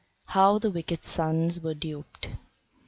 How the Wicked Sons were Duped.